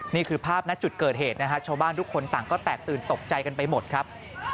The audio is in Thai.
นี่คือภาพณจุดเกิดเหตุนะฮะชาวบ้านทุกคนต่างก็แตกตื่นตกใจกันไปหมดครับ